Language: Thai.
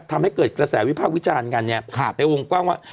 ทำให้เกิดกระแสวิภาพวิจารณ์กันในวงกว้างว่า